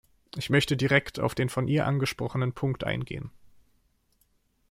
Ich möchte direkt auf den von ihr angesprochenen Punkt eingehen.